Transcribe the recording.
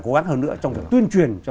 cố gắng hơn nữa trong cái tuyên truyền cho